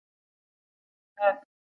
د ټولني په ابادۍ کي برخه واخلئ.